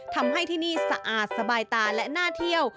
ทำให้ที่นี่สะอาดสบายตาและน่าเที่ยว